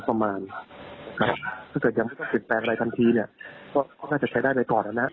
ถ้าเกิดยังไม่ต้องติดแปลงอะไรทันทีก็จะใช้ได้ไว้ก่อนอ่ะนะ